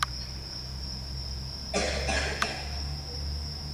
Premiéra přišla v druhém zápasu turnaje proti Finsku.